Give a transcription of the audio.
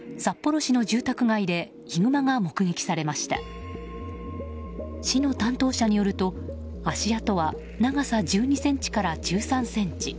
市の担当者によると足跡は長さ１２ｃｍから１３ｃｍ。